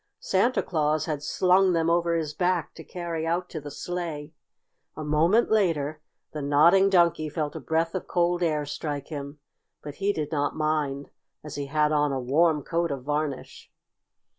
Santa Claus had slung them over his back to carry out to the sleigh. A moment later the Nodding Donkey felt a breath of cold air strike him, but he did not mind, as he had on a warm coat of varnish.